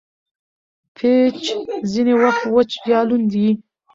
پيچ ځیني وخت وچ یا لوند يي.